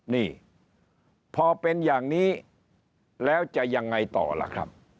นี่พอเป็นอย่างนี้แล้วจะยังไงต่อล่ะครับ